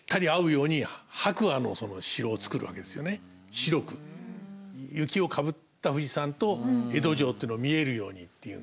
白く雪をかぶった富士山と江戸城というの見えるようにっていうんで。